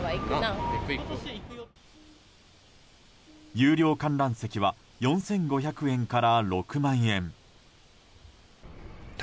有料観覧席は４５００円から６万円。